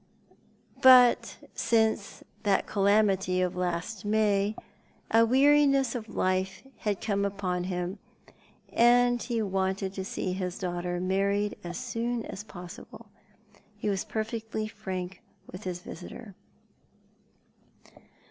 But since that calamity of last May a weariness of life had come upon him, and he wanted to see his daughter married as soon as possible. He was perfectly frank with his visitor.